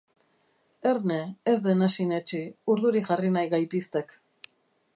Erne, ez dena sinetsi, urduri jarri nahi gaitiztek.